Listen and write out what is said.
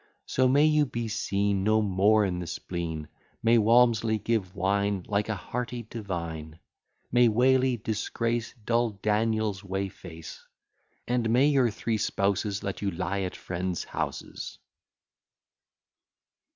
So may you be seen No more in the spleen; May Walmsley give wine Like a hearty divine! May Whaley disgrace Dull Daniel's whey face! And may your three spouses Let you lie at friends' houses!